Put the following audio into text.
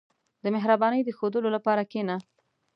• د مهربانۍ د ښوودلو لپاره کښېنه.